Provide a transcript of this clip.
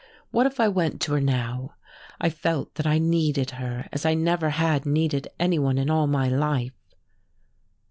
What if I went to her now? I felt that I needed her as I never had needed anyone in all my life....